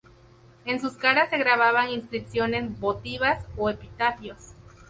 En sus caras se grababan inscripciones votivas o epitafios.